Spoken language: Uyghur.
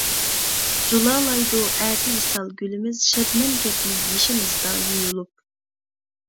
جۇلالايدۇ ئەتە ۋىسال گۈلىمىز، شەبنەم كەبى يېشىمىزدا يۇيۇلۇپ.